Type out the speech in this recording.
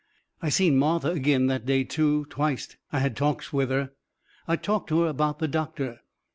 I seen Martha agin that day, too twicet I has talks with her. I told her about the doctor.